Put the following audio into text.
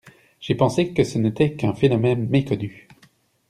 J’ai pensé que ce n’était qu’un phénomène méconnu.